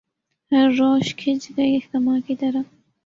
ہر روش کھنچ گئی کماں کی طرح